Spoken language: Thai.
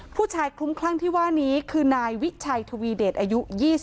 คลุ้มคลั่งที่ว่านี้คือนายวิชัยทวีเดชอายุ๒๒